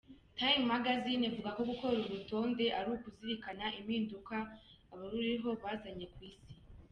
Time Magazine ivuga ko gukora uru rutonde ari ukuzirikana impinduka abaruriho bazanye ku Isi.